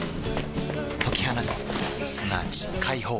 解き放つすなわち解放